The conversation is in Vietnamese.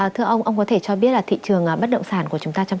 thưa ông ông có thể cho biết thị trường bất động sản của chúng ta